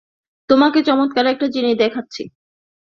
তোমাকে চমৎকার একটা জিনিস দেখাচ্ছি।